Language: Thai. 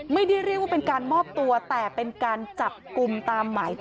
ไม่ได้เรียกว่าเป็นการมอบตัวแต่เป็นการจับกลุ่มตามหมายจับ